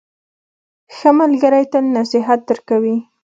ښه ملګری تل نصیحت درکوي.